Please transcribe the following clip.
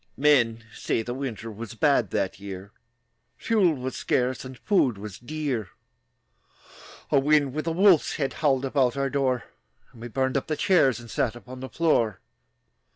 Men say the winter Was bad that year; Fuel was scarce, And food was dear. A wind with a wolf's head Howled about our door, And we burned up the chairs And sat upon the floor.